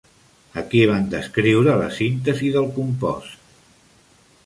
Aquí van descriure la síntesi del compost.